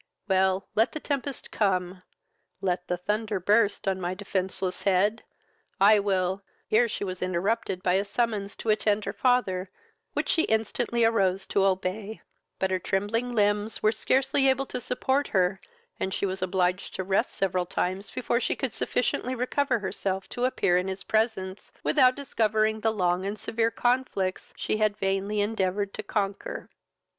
Well, let the tempest come, let the thunder burst on my defenceless head, I will " Here she was interrupted by a summons to attend her father, which she instantly arose to obey; but her trembling limbs were scarcely able to support her, and she was obliged to rest several times before she could sufficiently recover herself to appear in his presence, without discovering the long and severe conflicts she had vainly endeavoured to conquer.